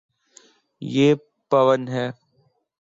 یے پاون ہے